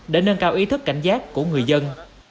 để nâng cao ý thức cảnh giác của người dân